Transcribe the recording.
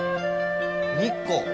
日光？